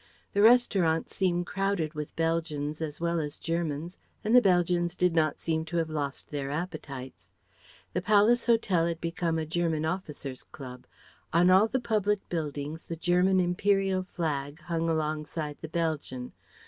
The restaurants seemed crowded with Belgians as well as Germans, and the Belgians did not seem to have lost their appetites. The Palace Hotel had become a German officers' club. On all the public buildings the German Imperial flag hung alongside the Belgian.